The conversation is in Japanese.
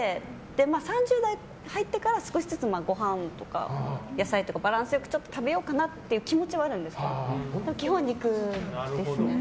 ３０代入ってから少しずつご飯とか、野菜とかバランスよくちょっと食べようかなっていう気持ちはあるんですけど基本、肉ですね。